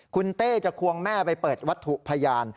คุณเต้จะควงแม่ไปเปิดวัตถุพยาน